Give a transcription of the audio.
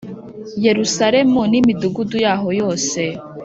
Yerusalemu n imidugudu yaho yose